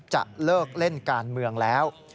จะเลิกเล่นการเมืองแล้ว